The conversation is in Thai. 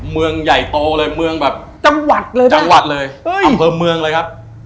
เมืองใหญ่โตเลยเมืองแบบจังหวัดเลยเหรอจังหวัดเลยอำเภอเมืองเลยครับ